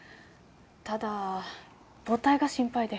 ただ母体が心配で。